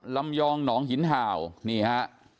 ลำยองหนองหินทาวนี่ฮะ